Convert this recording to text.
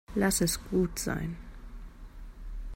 Lass es gut sein.